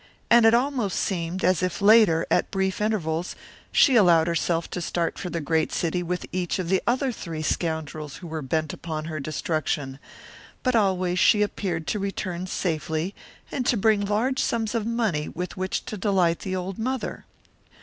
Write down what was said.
And it almost seemed as if later, at brief intervals, she allowed herself to start for the great city with each of the other three scoundrels who were bent upon her destruction. But always she appeared to return safely and to bring large sums of money with which to delight the old mother.